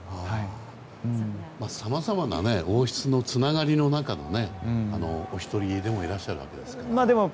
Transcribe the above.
さまざまな王室のつながりの中のお一人でもいらっしゃるわけですね。